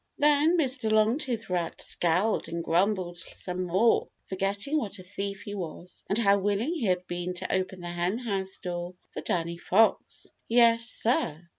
Then Mr. Longtooth Rat scowled and grumbled some more, forgetting what a thief he was and how willing he had been to open the Henhouse door for Danny Fox. Yes, sir!